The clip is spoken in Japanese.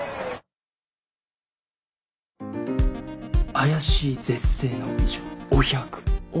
怪しい絶世の美女